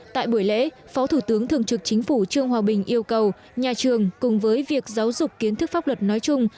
tại buổi lễ phó thủ tướng thường trực chính phủ trương hòa bình yêu cầu nhà trường cùng với việc giáo dục kiến thức pháp luật nói chung